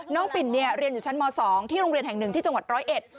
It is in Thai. ปิ่นเนี่ยเรียนอยู่ชั้นม๒ที่โรงเรียนแห่งหนึ่งที่จังหวัดร้อยเอ็ด